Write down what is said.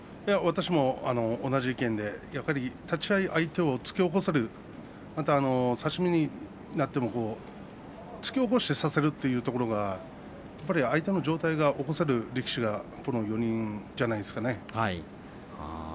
私も同じ意見で立ち合い、相手を突き起こせるまた差し身になっても突き起こして差せるというところがやっぱり相手の上体が起こせる力士がこの４人じゃないですかね。